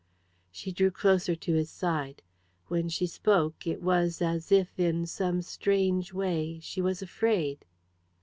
She drew closer to his side. When she spoke it was as if, in some strange way, she was afraid.